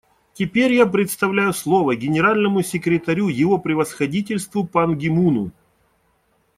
Теперь я предоставляю слово Генеральному секретарю Его Превосходительству Пан Ги Муну.